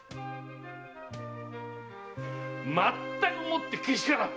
まったくもってけしからん！